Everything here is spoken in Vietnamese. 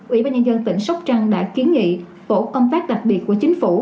ủy ban nhân dân tỉnh sóc trăng đã kiến nghị tổ công tác đặc biệt của chính phủ